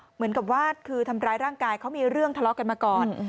เหมือนกับว่าคือทำร้ายร่างกายเขามีเรื่องทะเลาะกันมาก่อน